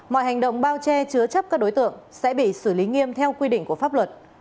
mọi hành động bao che chứa chấp các đối tượng sẽ bị xử lý nghiêm theo quy định của pháp luật